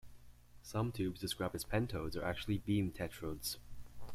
Some tubes described as pentodes are actually beam tetrodes.